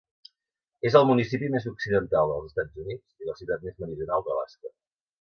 És el municipi més occidental dels Estats Units i la ciutat més meridional d'Alaska.